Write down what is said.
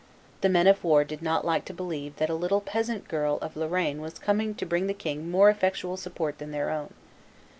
The men of war did not like to believe that a little peasant girl of Lorraine was coming to bring the king a more effectual support than their own.